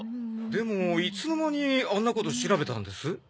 でもいつの間にあんなことを調べたんです？